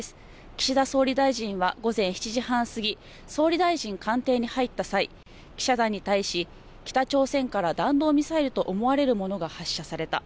岸田総理大臣は午前７時半過ぎ、総理大臣官邸に入った際、記者団に対し、北朝鮮から弾道ミサイルと思われるものが発射された。